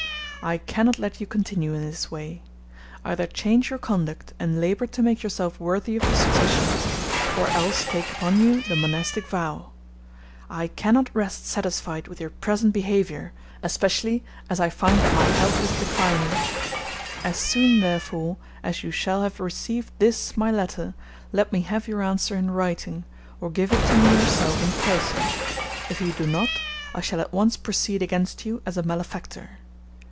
"I can not let you continue in this way. Either change your conduct, and labor to make yourself worthy of the succession, or else take upon you the monastic vow. I can not rest satisfied with your present behavior, especially as I find that my health is declining. As soon, therefore, as you shall have received this my letter, let me have your answer in writing, or give it to me yourself in person. If you do not, I shall at once proceed against you as a malefactor.